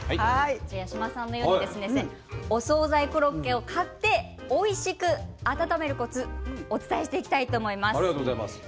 八嶋さんが言うようにお総菜コロッケを買っておいしく温めるコツをお伝えしていきたいと思います。